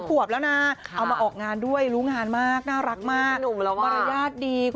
๓ขวบแล้วน่าเอามาออกงานด้วยรูงงานมากน่ารักมาก